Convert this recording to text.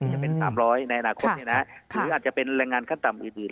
จะเป็น๓๐๐ในอนาคตหรืออาจจะเป็นแรงงานขั้นต่ำอื่น